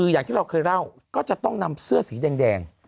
อย่างที่เราเคยเล่าก็จะต้องนำเสื้อสีแดง